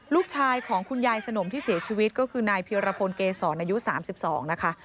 ลูกชายของคุณยายสนมที่เสียชีวิตก็คือนายเพียรพลเกษรอายุ๓๒นะคะ